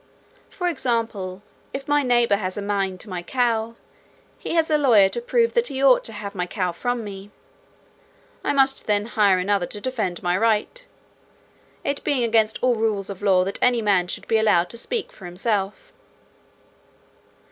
For example, if my neighbour has a mind to my cow, he has a lawyer to prove that he ought to have my cow from me. I must then hire another to defend my right, it being against all rules of law that any man should be allowed to speak for himself.